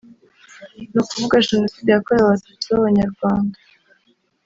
ni ukuvuga genocide yakorewe Abatutsi b’Abanyarwanda